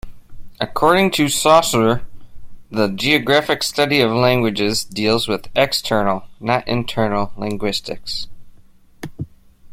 According to Saussure, the geographic study of languages deals with external, not internal, linguistics.